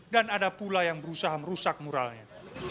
dan ada pula yang berusaha merusak muralnya